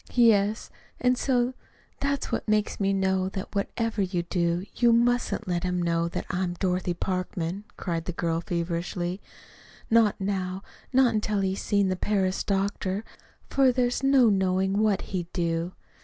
"Yes; and so that's what makes me know that whatever you do, you mustn't let him know that I am Dorothy Parkman," cried the girl feverishly; "not now not until he's seen the Paris doctor, for there's no knowing what he'd do.